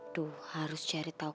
duhh harus cari tau